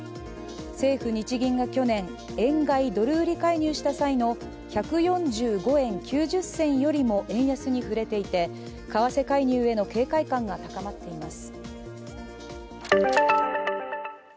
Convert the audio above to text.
政府・日銀が去年、円買い・ドル売り介入した際の１４５円９０銭よりも円安に振れていて為替介入への警戒感が高まっています。